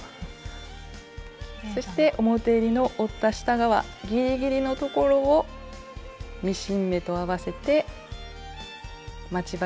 そして表えりの折った下側ギリギリのところをミシン目と合わせて待ち針で留めます。